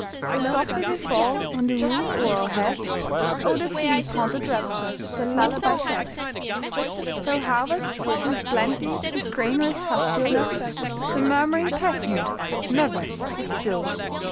As softly they fall on the roof o'er our heads, O, the sleep haunted rapture their lullaby sheds! Though harvest with plenty his gran'ries hath filled, The murmuring pessimist never is stilled.